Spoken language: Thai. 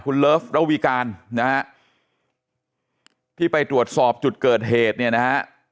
คุณเลิฟระวีการนะฮะที่ไปตรวจสอบจุดเกิดเหตุเนี่ยนะฮะ